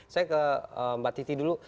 saya ke mbak titi dulu